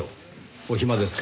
お暇ですか？